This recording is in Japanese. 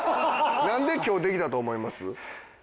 なんで今日できたと思います？